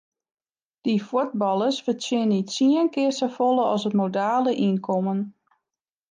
Dy fuotballers fertsjinje tsien kear safolle as it modale ynkommen.